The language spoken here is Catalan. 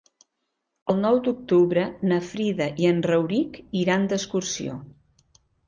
El nou d'octubre na Frida i en Rauric iran d'excursió.